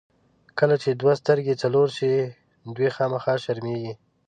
کله چې دوه سترګې څلور شي، دوې خامخا شرمېږي.